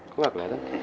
kok gak keliatan